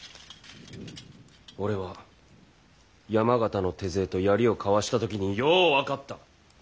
俺は山県の手勢と槍を交わした時によう分かった。